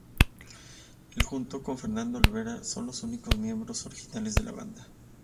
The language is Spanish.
Él junto con Fernando Olvera son los únicos miembros originales de la banda.